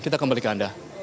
kita kembali ke anda